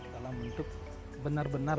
dalam bentuk benar benar